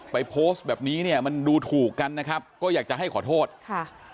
โพสต์แบบนี้เนี่ยมันดูถูกกันนะครับก็อยากจะให้ขอโทษค่ะ